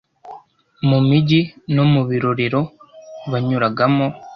Mu mijyi no mu birorero banyuragamo